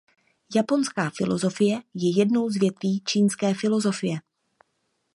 Japonská filosofie je jednou z větví čínské filosofie.